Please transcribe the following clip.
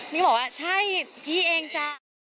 นี่บอกว่าใช่พี่เองจ้ะ